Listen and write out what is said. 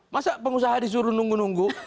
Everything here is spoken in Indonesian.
masa pengusaha disuruh nunggu nunggu